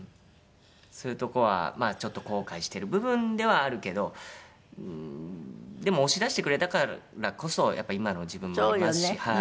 そういうとこはまあちょっと後悔してる部分ではあるけどうーんでも押し出してくれたからこそやっぱ今の自分もありますしはい。